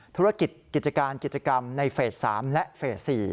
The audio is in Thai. ธุรกิจกิจการกิจกรรมในเฟส๓และเฟส๔